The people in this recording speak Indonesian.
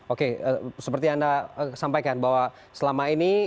oke seperti yang anda sampaikan bahwa selama ini